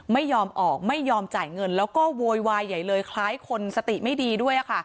ไม่ยอมออกไม่ยอมจ่ายเงินแล้วก็โวยวายใหญ่เลยคล้ายคนสติไม่ดีด้วย